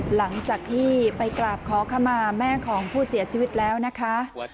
หลังจากที่ไปกราบขอขมาแม่ของผู้เสียชีวิตแล้วนะคะ